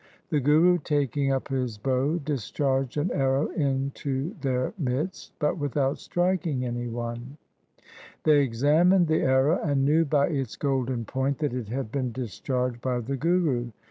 The Guru taking up his bow discharged an arrow into their midst, but without striking any one. They examined the arrow and knew by its golden point that it had been discharged by the Guru.